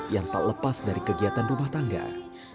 yang tak lepas dari kegiatan berpengalaman